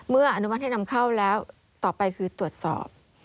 อนุมัติให้นำเข้าแล้วต่อไปคือตรวจสอบ